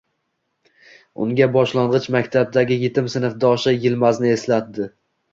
unga boshlang'ich maktabdagi yetim sinfdoshi Yilmazni eslatdi.